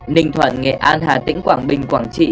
ninh thuận nghệ an hà tĩnh quảng bình quảng trị